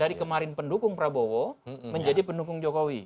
dari kemarin pendukung prabowo menjadi pendukung jokowi